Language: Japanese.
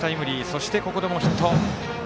そして、ここでもヒット。